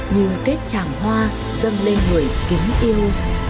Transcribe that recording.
như kết tràng hoa dâng lên người kính yêu